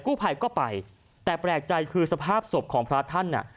กู้ภัยก็ไปแต่แปลกใจคือสภาพศพของพระท่านอ่ะ